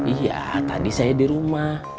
iya tadi saya di rumah